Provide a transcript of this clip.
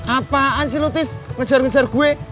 apaan sih lo tis ngejar ngejar gue